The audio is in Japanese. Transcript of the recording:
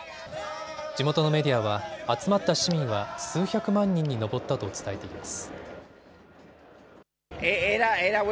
地元のメディアは集まった市民は数百万人に上ったと伝えています。